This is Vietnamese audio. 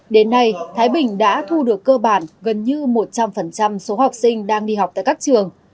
đến nay thái bình đã thu được cơ bản gần như một trăm linh số học sinh đang đi học tại các trường